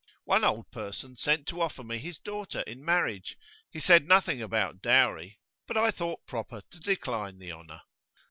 One old person sent to offer me his daughter in marriage; he said nothing about dowry, but I thought proper to decline the honour.